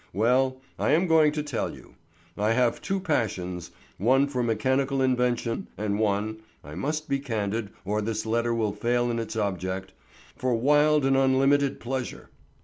Well, I am going to tell you. I have two passions, one for mechanical invention and one—I must be candid or this letter will fail in its object—for wild and unlimited pleasure.